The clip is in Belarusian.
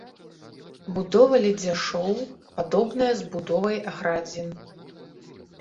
Будова ледзяшоў падобная з будовай градзін.